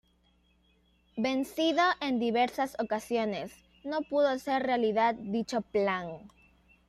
Vencido en diversas ocasiones, no pudo hacer realidad dicho plan.